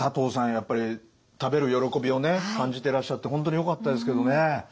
やっぱり食べる喜びを感じてらっしゃって本当によかったですけどね。